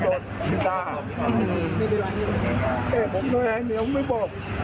ไม่มีร้านนี้แต่ผมก็แหละไม่บอก